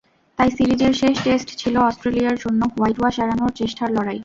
তাই সিরিজের শেষ টেস্ট ছিল অস্ট্রেলিয়ার জন্য হোয়াইটওয়াশ এড়ানোর চেষ্টার লড়াই।